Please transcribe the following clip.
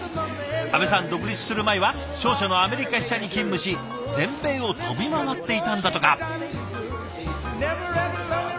阿部さん独立する前は商社のアメリカ支社に勤務し全米を飛び回っていたんだとか。